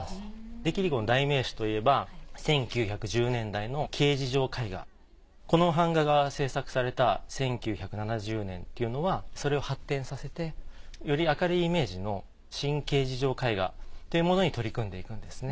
デ・キリコの代名詞といえば１９１０年代のこの版画が制作された１９７０年っていうのはそれを発展させてより明るいイメージの新形而上絵画っていうものに取り組んでいくんですね。